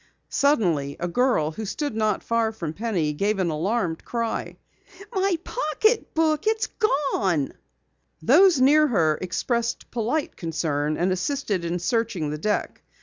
Suddenly a girl who stood not far from Penny gave an alarmed cry. "My pocketbook! It's gone!" Those near her expressed polite concern and assisted in searching the deck.